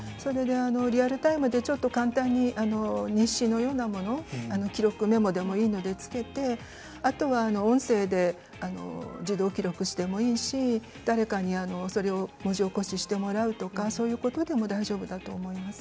リアルタイムでちょっと簡単に日誌のようなもの記録のメモなどをつけてあとは音声で自動記録してもいいし誰かに文字起こししてもらうとかそういうことでも大丈夫です。